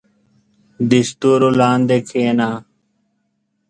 • د ستورو لاندې کښېنه.